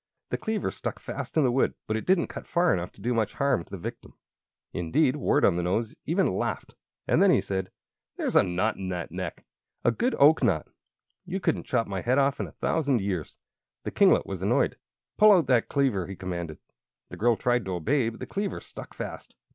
The cleaver stuck fast in the wood; but it didn't cut far enough to do much harm to the victim. Indeed, Wart on the Nose even laughed, and then he said: "There's a knot in that neck a good oak knot. You couldn't chop my head off in a thousand years!" The kinglet was annoyed. "Pull out that cleaver," he commanded. The girl tried to obey, but the cleaver stuck fast.